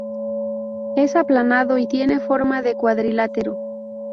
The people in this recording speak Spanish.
Es aplanado y tiene forma de cuadrilátero.